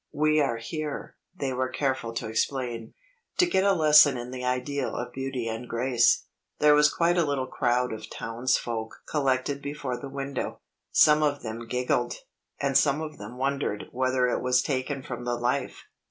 "We are here," they were careful to explain, "to get a lesson in the ideal of beauty and grace." There was quite a little crowd of townsfolk collected before the window. Some of them giggled; and some of them wondered whether it was taken from the life.